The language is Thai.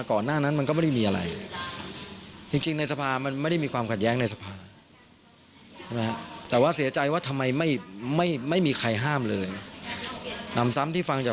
คนที่ยิงถามว่ามันตายหรือยัง